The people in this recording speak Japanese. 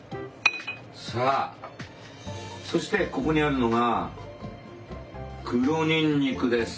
さあそしてここにあるのが黒にんにくです。